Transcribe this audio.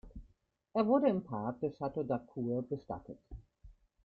Er wurde im Park des Château d’Harcourt bestattet.